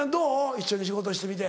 一緒に仕事してみて。